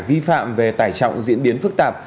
vi phạm về tải trọng diễn biến phức tạp